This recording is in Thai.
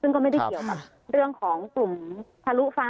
ซึ่งก็ไม่ได้เกี่ยวกับเรื่องของกลุ่มทะลุฟ้า